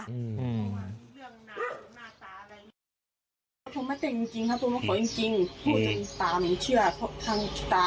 ซื้อของชมวงชมบ๊วยก็คือให้ทางหนูออกก่อนนะคะ